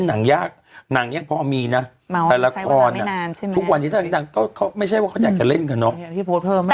หนังยากหนังยังพอมีนะแต่ละครทุกวันนี้ถ้าดังก็เขาไม่ใช่ว่าเขาอยากจะเล่นกันเนอะ